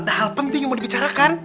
ada hal penting yang mau dibicarakan